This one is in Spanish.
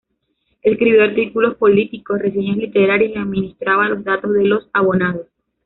Escribió artículos políticos, reseñas literarias y administraba los datos de los abonados.